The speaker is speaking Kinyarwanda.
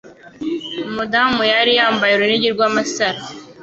Umudamu yari yambaye urunigi rw'amasaro.